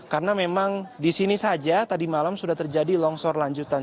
karena memang disini saja tadi malam sudah terjadi longsor lanjutan